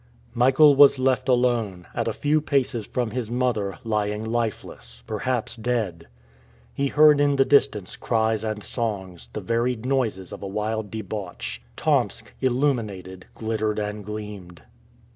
Michael was left alone, at a few paces from his mother, lying lifeless, perhaps dead. He heard in the distance cries and songs, the varied noises of a wild debauch. Tomsk, illuminated, glittered and gleamed.